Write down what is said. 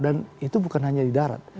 dan itu bukan hanya di darat